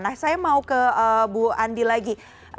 nah saya mau ke bu andi lagi